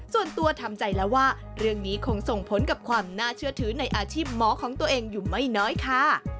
ส่วนตัวทำใจแล้วว่าเรื่องนี้คงส่งผลกับความน่าเชื่อถือในอาชีพหมอของตัวเองอยู่ไม่น้อยค่ะ